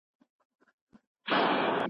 خوښي نسته واويلا ده تور ماتم دئ